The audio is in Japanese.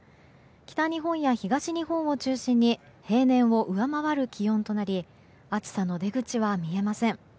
北日本や東日本を中心に平年を上回る気温となり暑さの出口は見えません。